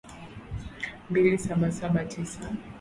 mbili saba saba saba tisa